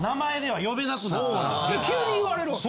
・ああ・急に言われるわけ？